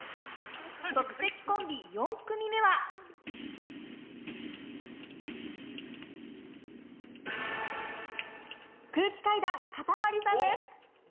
即席コンビ４組目は空気階段かたまりさんです